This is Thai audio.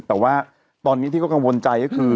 แต่ว่าตอนนี้ที่เขากังวลใจก็คือ